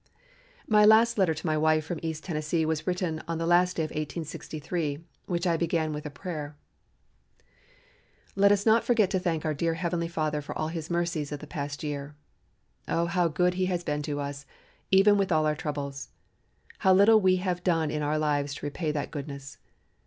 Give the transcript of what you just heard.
My last letter to my wife from East Tennessee was written on the last day of 1863, which I began with a prayer: "Let us not forget to thank our dear Heavenly Father for all His mercies of the past year. Oh, how good He has been to us, even with all our troubles! How little we have done in our lives to repay that goodness!